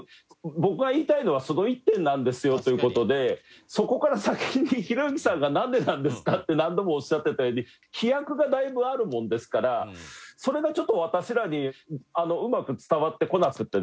僕が言いたいのはその一点なんですよ」という事でそこから先にひろゆきさんが「なんでなんですか？」って何度もおっしゃってたように飛躍がだいぶあるもんですからそれがちょっと私らにうまく伝わってこなくてですね